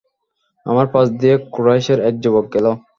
আমার পাশ দিয়ে কুরাইশের এক যুবক গেল।